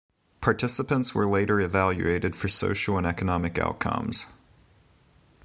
Participants were later evaluated for social and economic outcomes.